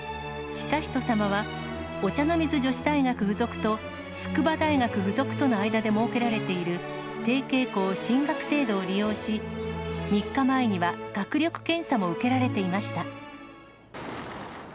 悠仁さまは、お茶の水女子大学附属と、筑波大学附属との間で設けられている提携校進学制度を利用し、３日前には学力検査も受けられていました。